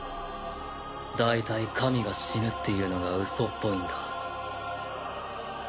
大体神が死ぬっていうのがウソっぽいんだ